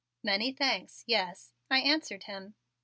"Many thanks, yes," I answered him.